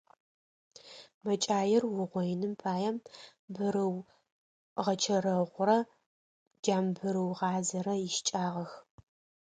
Мэкӏаир уугъоиным пае бырыугъэчэрэгъурэ джамбырыугъазэрэ ищыкӏагъэх.